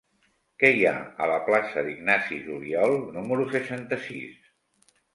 Què hi ha a la plaça d'Ignasi Juliol número seixanta-sis?